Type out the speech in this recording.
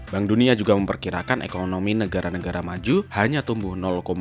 bank dunia juga memperkirakan ekonomi negara negara maju hanya tumbuh lima